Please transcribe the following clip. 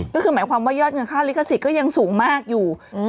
ก็คือหมายความว่ายอดเงินค่าลิขสิทธิ์ก็ยังสูงมากอยู่